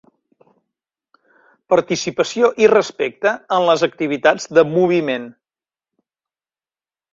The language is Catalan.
Participació i respecte en les activitats de moviment.